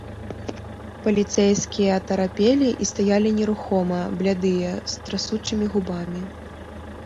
Паліцэйскія атарапелі і стаялі нерухома, блядыя, з трасучымі губамі.